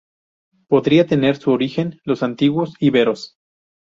Podría tener su origen los antiguos íberos.